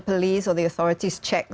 polisi atau otoritas mereka